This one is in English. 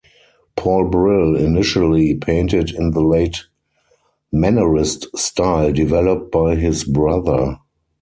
Paul Bril initially painted in the late Mannerist style developed by his brother.